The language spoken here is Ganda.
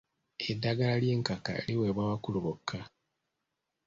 Eddagala ly'enkaka liweebwa bakulu bokka.